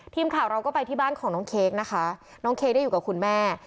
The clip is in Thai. ทีมข่าวเราก็ไปที่บ้านของน้องเค้กนะคะน้องเค้กได้อยู่กับคุณแม่